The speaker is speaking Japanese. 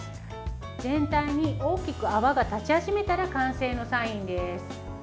全体に大きく泡が立ち始めたら完成のサインです。